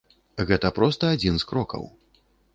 Гэта проста адзін з крокаў.